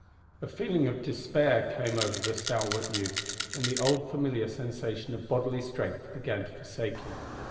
A feeling of despair crept over the stalwart youth when the old familiar sensation of bodily strength began to forsake him.